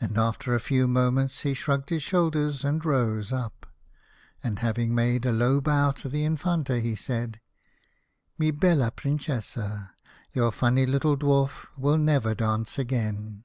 And after a few moments he shrugged his shoulders, and rose up, and having made a low bow to the Infanta, he said :" Mi bella Princesa , your funny little dwarf will never dance again.